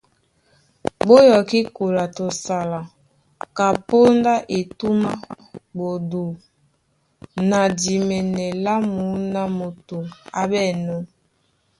Ɓó yɔkí kola tɔ sala, kapóndá etûm á ɓodû na dimɛnɛ lá mǔná moto á ɓɛ̂nnɔ́.